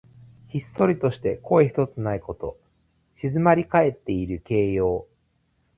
ひっそりとして声ひとつないこと。静まりかえっている形容。